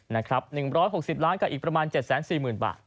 ๑๖๐ล้านกับอีกประมาณ๗๔๐๐๐บาท